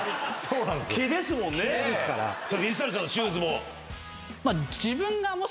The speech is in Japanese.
水谷さんのシューズも。